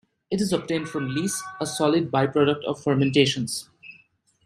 It is obtained from lees, a solid byproduct of fermentations.